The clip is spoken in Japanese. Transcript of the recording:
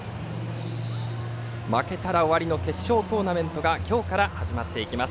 負けたら終わりの決勝トーナメントが今日から始まっていきます。